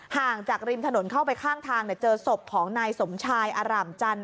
ห่างจากริมถนนเข้าไปข้างทางเจอศพของนายสมชายอร่ามจันท